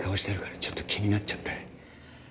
ちょっと気になっちゃって